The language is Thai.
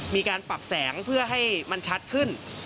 มีการปรับแสงเพื่อให้มันชัดขึ้น